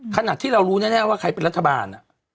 ขนาดที่เรารู้แน่ว่าใครเป็นรัฐบาล